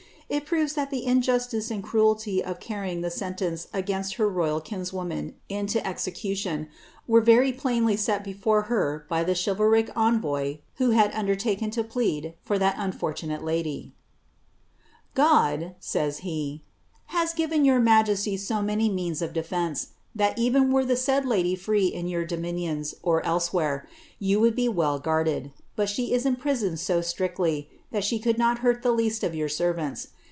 It proves that the injustice and cruelty of carrying the sentence against her royal kinswoman into execution, were very plainly set before her by the chivalric envoy who had undertaken to plead for that unfortunate bdy> "Ckxl/* fajs he, has given your majesty so many means of defence, that )vni were the said lady free in your dominions, or elsewhere, you would be veil guarded ; but she is imprisoned so strictly, that she could not hurt the least )i your senraots.